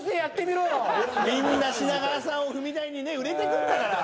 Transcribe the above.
みんな品川さんを踏み台にね売れていくんだから。